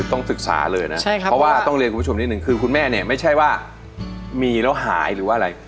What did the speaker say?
ต้องศึกษาเลยนะเพราะว่าต้องเรียนคุณผู้ชมนิดนึงคือคุณแม่เนี่ยไม่ใช่ว่ามีแล้วหายหรือว่าอะไร